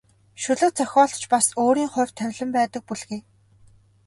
Шүлэг зохиолд ч бас өөрийн хувь тавилан байдаг бүлгээ.